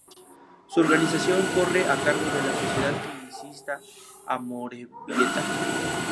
Su organización corre a cargo de la Sociedad Ciclista Amorebieta.